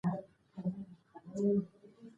که نجونې ښوونځي ته نه ځي، ودونه ژر کېږي.